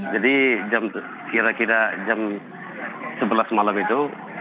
jadi kira kira jam sebelas malam itu